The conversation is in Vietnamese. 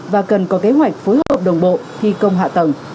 và cần có kế hoạch phối hợp đồng bộ thi công hạ tầng